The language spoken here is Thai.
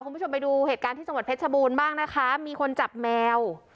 คุณผู้ชมไปดูเหตุการณ์ที่จังหวัดเพชรชบูรณ์บ้างนะคะมีคนจับแมว